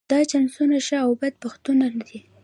دا چانسونه ښه او بد بختونه دي.